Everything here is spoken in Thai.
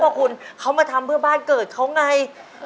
เพราะคุณเขามาทำเพื่อบ้านเกิดเขาไง